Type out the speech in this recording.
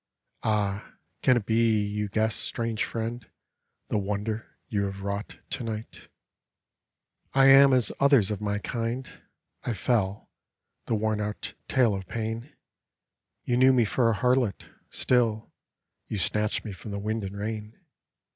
Ah I can it be you guess, strange friend. The wonder you have wrought to night? A BALLAD " I am as others of my kind; I fell — the worn out tale of pain. You knew me for a harlot — still You snatched me from the wind and rain.